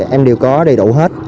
em đều có đầy đủ hết